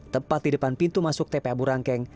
tepat di depan pintu masuk tpa burangkeng